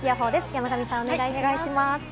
山神さん、お願いします。